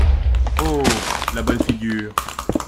Oh ! la bonne figure !…